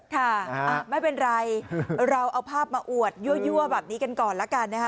ค่ะไม่เป็นไรเราเอาภาพมาอวดยั่วแบบนี้กันก่อนแล้วกันนะคะ